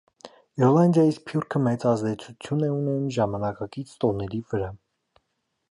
Իռլանդիայի սփյուռքը մեծ ազդեցություն է ունենում ժամանակակից տոների վրա։